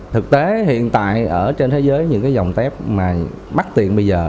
thực tế hiện tại ở trên thế giới những cái dòng tép mà bắt tiện bây giờ